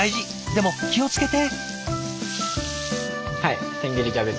でも気を付けて！